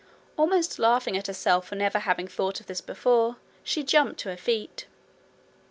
Almost laughing at herself for never having thought of this before, she jumped to her feet.